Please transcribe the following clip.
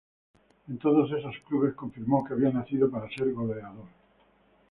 En todos esos clubes confirmó que había nacido para ser goleador.